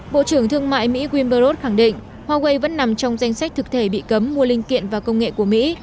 bộ trưởng thương mại mỹ wimberos khẳng định huawei vẫn nằm trong danh sách thực thể bị cấm mua linh kiện và công nghệ của mỹ